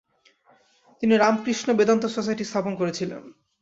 তিনি "রামকৃষ্ণ বেদান্ত সোসাইটি" স্থাপন করেছিলেন।